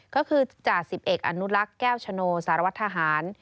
ก็คือจ่าสิบเอกอนุรักษ์แก้วชโนสารวัตรทหาร